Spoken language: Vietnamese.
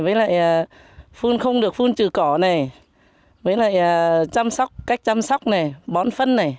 với lại không được phun trừ cỏ này với lại cách chăm sóc này bón phân này